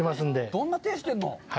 どんな手してるの！？